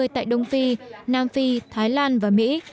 tại đông phi nam phi thái lan và mỹ